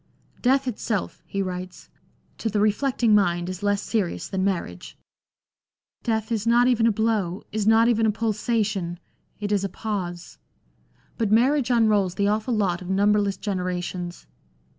" Death itself," he writes, " to the reflecting mind is less serious than marriage. ... Death is not even a blow, is not even a pulsation ; it is a pause. But marriage unrolls the awful lot of numberless genera tions."